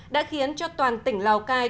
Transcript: đã khiến cho toàn tỉnh lào cai